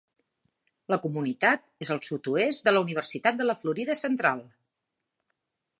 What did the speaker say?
La comunitat és al sud-oest de la Universitat de la Florida Central.